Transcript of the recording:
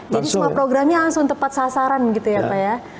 jadi semua programnya langsung tepat sasaran gitu ya pak ya